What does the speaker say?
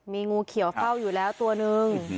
มีงูเขียวเฝ้าอยู่แล้วตัวนึง